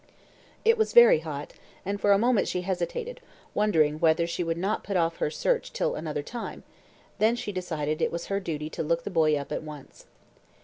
It was very hot, and for a moment she hesitated, wondering whether she would not put off her search till another time; then she decided it was her duty to look the boy up at once.